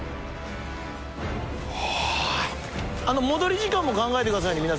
戻り時間も考えてくださいね。